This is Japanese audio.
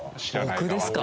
僕ですか？